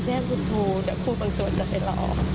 แจ้งคุณครูแต่ครูบางส่วนจะไปหลอก